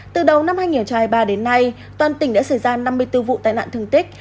từ đầu năm hai nghìn hai mươi ba đến nay toàn tỉnh đã xảy ra năm mươi bốn vụ tai nạn thương tích